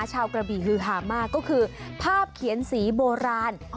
กระบี่ฮือหามากก็คือภาพเขียนสีโบราณ